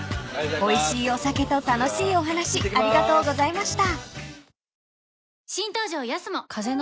［おいしいお酒と楽しいお話ありがとうございました］